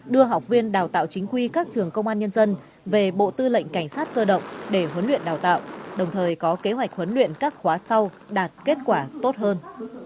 đưa học viên đào tạo chính quy các trường công an nhân dân về bộ tư lệnh cảnh sát cơ động để huấn luyện đào tạo đồng thời có kế hoạch huấn luyện các khóa sau đạt kết quả tốt hơn